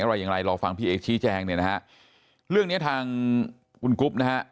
อย่างไรลองฟังพี่เอ๊กชี้แจงเรื่องนี้ทางคุณกุ๊ป